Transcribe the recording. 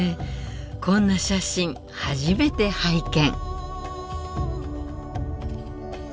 こんな写真初めて拝見。